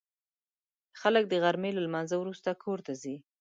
خلک د غرمې له لمانځه وروسته کور ته ځي